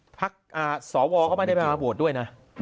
ภาคสวก็ไม่ได้มาโบสถ์ด้วยนะ